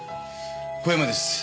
小山です。